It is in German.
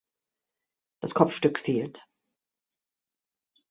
Das Kopfstück fehlt.